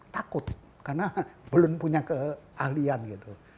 takut karena belum punya keahlian gitu